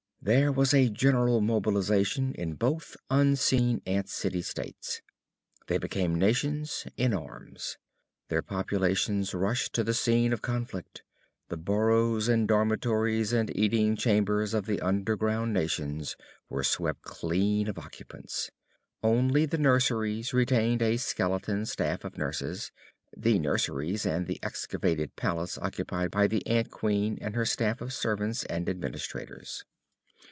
There was a general mobilization in both unseen ant city states. They became nations in arms. Their populations rushed to the scene of conflict. The burrows and dormitories and eating chambers of the underground nations were swept clean of occupants. Only the nurseries retained a skeleton staff of nurses the nurseries and the excavated palace occupied by the ant queen and her staff of servants and administrators.